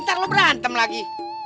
ntar lo berantem lagi